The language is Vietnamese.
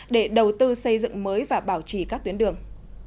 để đầu tư xây dựng mới và bảo trì các tuyến đường